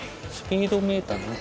スピードメーター。